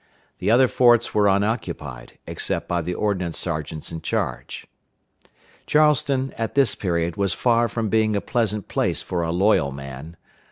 The other forts were unoccupied, except by the ordnance sergeants in charge. Charleston, at this period, was far from being a pleasant place for a loyal man.